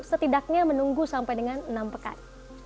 setidaknya menunggu sampai dengan enam pekan